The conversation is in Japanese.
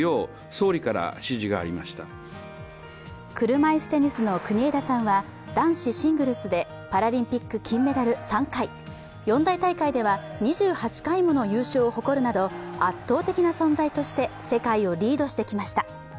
車いすテニスの国枝さんは、男子シングルスでパラリンピック金メダル３回、四大大会では２８回もの優勝を誇るなど圧倒的な存在として世界をリードしてきました。